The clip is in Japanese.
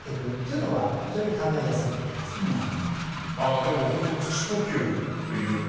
でも本当口呼吸というか。